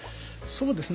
そうですね